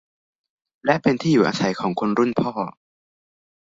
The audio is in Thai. และเป็นที่อยู่อาศัยของคนรุ่นพ่อ